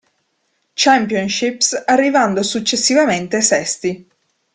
Championships, arrivando successivamente sesti.